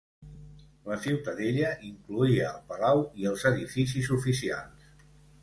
La ciutadella incloïa el palau i els edificis oficials.